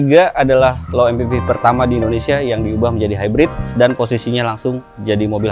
tiga adalah low mpv pertama di indonesia yang diubah menjadi hybrid dan posisinya langsung jadi mobil